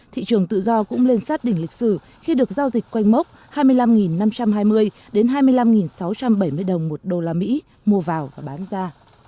thị trường tự do cũng lên sát đỉnh lịch sử khi được giao dịch quanh mốc hai mươi năm năm trăm hai mươi hai mươi năm sáu trăm bảy mươi đồng một đô la mỹ mua vào và bán ra